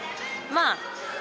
まあ